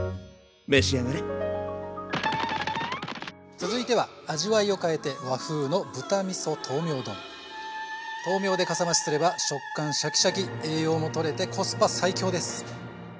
続いては味わいを変えて和風の豆苗でかさ増しすれば食感シャキシャキ栄養もとれてコスパ最強です。